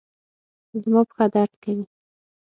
زما پښه درد کوي